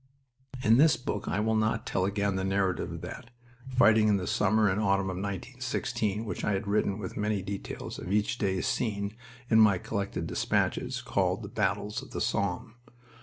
In this book I will not tell again the narrative of that, fighting in the summer and autumn of 1916, which I have written with many details of each day's scene in my collected despatches called The Battles of the Somme.